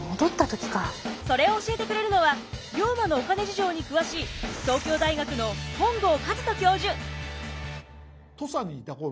それを教えてくれるのは龍馬のお金事情に詳しい東京大学の本郷和人教授！